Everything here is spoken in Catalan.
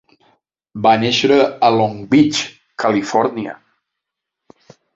Va néixer a Long Beach, Califòrnia.